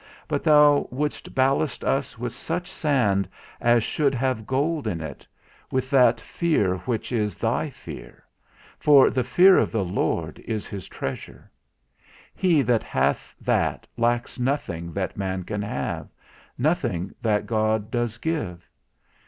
But thou wouldst ballast us with such sand as should have gold in it, with that fear which is thy fear; for the fear of the Lord is his treasure. He that hath that lacks nothing that man can have, nothing that God does give.